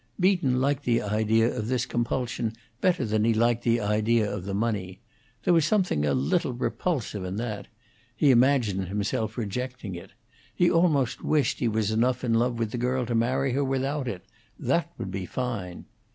Beaton liked the idea of this compulsion better than he liked the idea of the money; there was something a little repulsive in that; he imagined himself rejecting it; he almost wished he was enough in love with the girl to marry her without it; that would be fine.